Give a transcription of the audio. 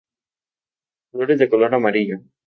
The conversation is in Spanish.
Flores de color amarillo.